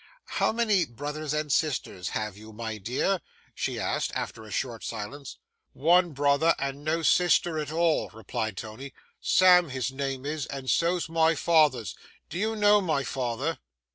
'How many brothers and sisters have you, my dear?' she asked, after a short silence. 'One brother and no sister at all,' replied Tony. 'Sam his name is, and so's my father's. Do you know my father?